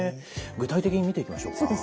具体的に見ていきましょうか。